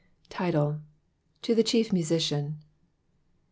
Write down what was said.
TmjBL— To the Chief Musician.